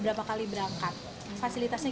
berapa kali berangkat fasilitasnya